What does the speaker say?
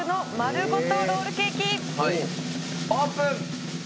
オープン！